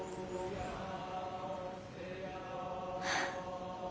・はあ。